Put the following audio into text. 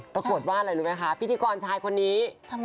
ปรากฏว่าอะไรรู้ไหมคะพิธีกรชายคนนี้